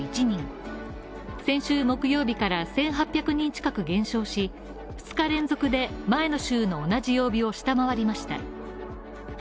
先週木曜日から１８００人近く減少し２日連続で前の週の同じ曜日を下回りました。